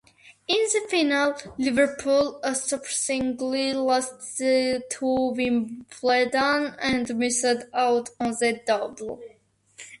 In the final, Liverpool surprisingly lost to Wimbledon and missed out on the "double".